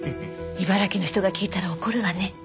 茨城の人が聞いたら怒るわね。